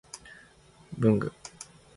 文具